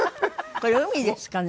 これ海ですかね？